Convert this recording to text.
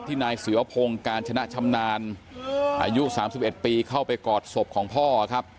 นายเสือพงศ์การชนะชำนาญอายุ๓๑ปีเข้าไปกอดศพของพ่อครับ